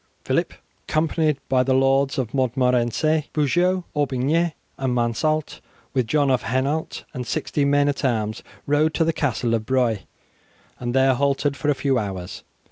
Phillip, accompanied by the lords of Montmorency, Beaujeu, Aubigny, and Mansault, with John of Hainault, and sixty men at arms, rode to the Castle of Broye, and there halted for a few hours.